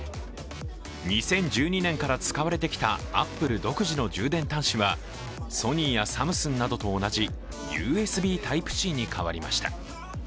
２０１２年から使われてきたアップル独自の充電端子はソニーやサムスンなどと同じＵＳＢＴｙｐｅ−Ｃに変わりました。